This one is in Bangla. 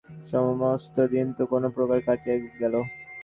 সমস্ত দিন তো কোনো প্রকারে কাটিয়া গেল।